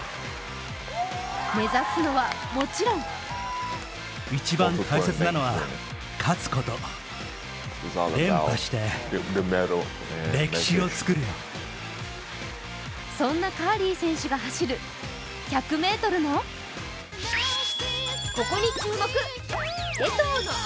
目指すのはもちろんそんなカーリー選手が走る１００ｍのここに注目。